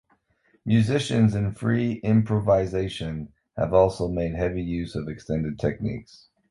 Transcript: Musicians in free improvisation have also made heavy use of extended techniques.